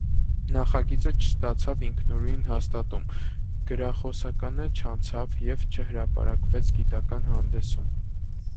Նախագիծը չստացավ ինքնուրույն հաստատում, գրախոսականը չանցավ և չհրապարակվեց գիտական հանդեսում։